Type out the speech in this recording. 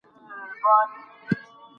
خو وروسته اسانه کیږي.